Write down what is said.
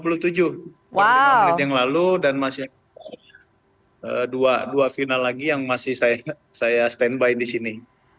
beberapa menit yang lalu dan masih ada dua final lagi yang masih saya standby di sini